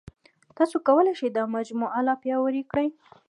تاسو کولای شئ دا مجموعه لا پیاوړې کړئ.